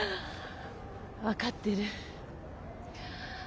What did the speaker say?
分かってる。